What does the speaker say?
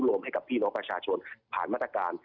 ให้กับพี่น้องประชาชนผ่านมาตรการ